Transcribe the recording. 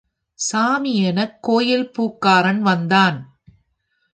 சாமி எனக் கோயில் பூக்காரன் வந்தான்.